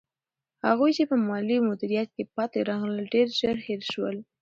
هغوی چې په مالي مدیریت کې پاتې راغلل، ډېر ژر هېر شول.